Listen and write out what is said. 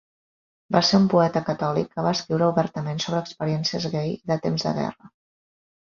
Va ser un poeta catòlic que va escriure obertament sobre experiències gai i de temps de guerra.